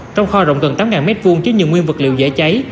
trong kho rộng gần tám m hai chứa nhiều nguyên vật liệu dễ cháy